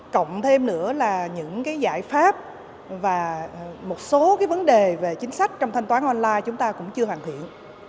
cộng thêm nữa là những cái giải pháp và một số cái vấn đề về chính sách trong thanh toán online chúng ta cũng chưa hoàn thiện